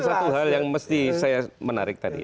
ada satu hal yang mesti saya menarik tadi